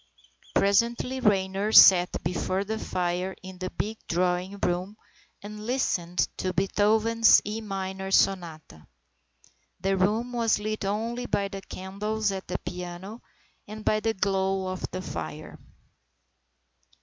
Presently Raynor sat before the fire in the big drawing room and listened to Beethoven's E Minor Sonata. The room was lit only by the candles at the piano and by the glow of the fire.